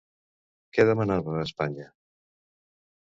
Què demanava a Espanya?